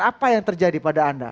apa yang terjadi pada anda